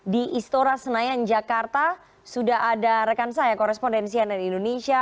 di istora senayan jakarta sudah ada rekan saya korespondensi ann indonesia